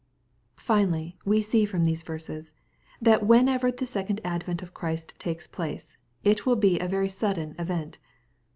Finally, we see from these verses, that whenever the second advent of Christ takes place, it will be a very sud den event.)